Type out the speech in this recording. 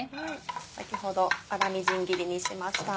先ほど粗みじん切りにしました。